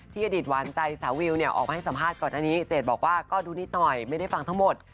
อดีตหวานใจสาววิวเนี่ยออกมาให้สัมภาษณ์ก่อนอันนี้เจดบอกว่าก็ดูนิดหน่อยไม่ได้ฟังทั้งหมด